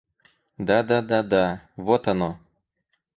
Да-да-да-да... Вот оно!